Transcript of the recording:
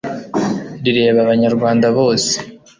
rireba abanyarwanda bose